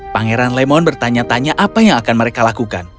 pangeran lemon bertanya tanya apa yang akan mereka lakukan